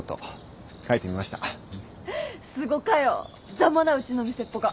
ざまなうちの店っぽか。